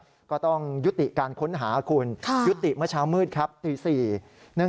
อาจจะต้องรอคุณรอให้ศพลอยขึ้นมาเอง